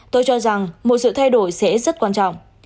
tôi cho rằng một sự thay đổi sẽ rất quan trọng